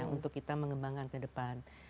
untuk kita mengembangkan ke depan